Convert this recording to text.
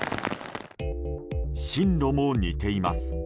進路も似ています。